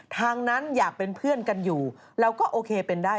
ทางนั้นอยากเป็นเพื่อนกันอยู่แล้วก็โอเคเป็นได้